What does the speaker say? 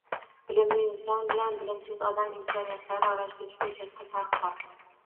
Bilimli inson bilan bilimsiz odam imkoniyatlari orasida juda katta farq bor.